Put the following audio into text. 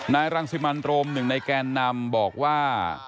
รังสิมันโรมหนึ่งในแกนนำบอกว่า